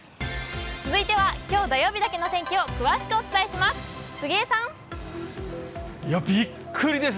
続いてはきょう土曜日だけの天気を詳しくお伝えします。